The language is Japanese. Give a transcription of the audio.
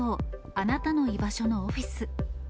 あなたのいばしょのオフィス。